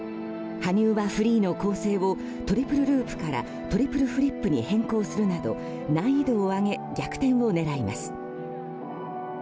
羽生はフリーの構成をトリプルループからトリプルフリップに変更するなど難易度を上げ、逆転を狙います。